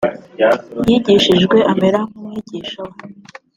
yigishijwe amera nk umwigisha we